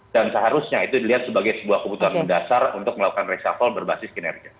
seharusnya itu dilihat sebagai sebuah kebutuhan mendasar untuk melakukan reshuffle berbasis kinerja